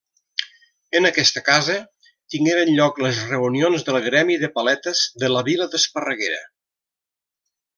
En aquesta casa tingueren lloc les reunions del gremi de paletes de la vila d'Esparreguera.